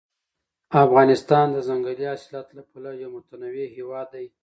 افغانستان د ځنګلي حاصلاتو له پلوه یو متنوع هېواد دی.